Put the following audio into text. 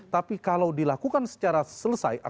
tapi kalau dilakukan secara terbuka mungkin bisa jadi catatan